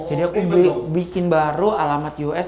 jadi aku bikin baru alamat us